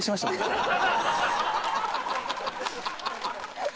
ハハハハ！